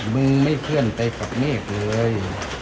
มึงไม่เคลื่อนไปกับเมฆเลย